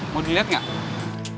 mau dilihat nggak